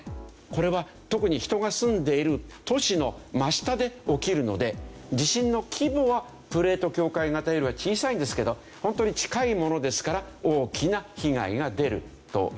これは特に人が住んでいる都市の真下で起きるので地震の規模はプレート境界型よりは小さいんですけど本当に近いものですから大きな被害が出るというわけですね。